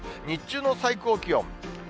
日中の最高気温。